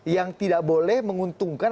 yang tidak boleh menguntungkan